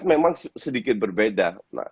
memang sedikit berbeda